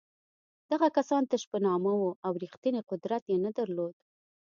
دغه کسان تش په نامه وو او رښتینی قدرت یې نه درلود.